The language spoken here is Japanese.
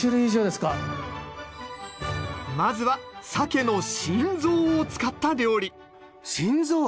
まずは鮭の心臓を使った料理心臓！